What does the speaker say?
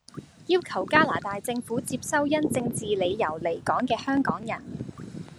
要求加拿大政府接收因政治理由離港既香港人，